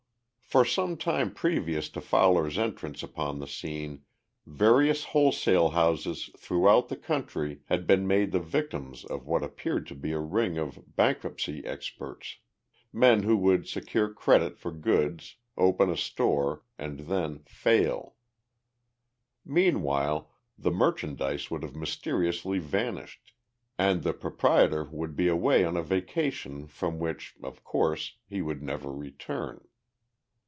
For some time previous to Fowler's entrance upon the scene various wholesale houses throughout the country had been made the victims of what appeared to be a ring of bankruptcy experts men who would secure credit for goods, open a store, and then "fail." Meanwhile the merchandise would have mysteriously vanished and the proprietor would be away on a "vacation" from which, of course, he would never return.